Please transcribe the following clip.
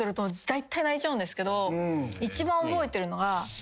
一番覚えてるのが。